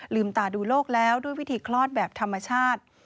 ตาดูโลกแล้วด้วยวิธีคลอดแบบธรรมชาติ